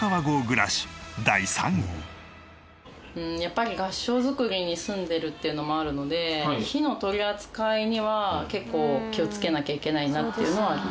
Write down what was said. やっぱり合掌造りに住んでるっていうのもあるので火の取り扱いには結構気をつけなきゃいけないなっていうのはありますね。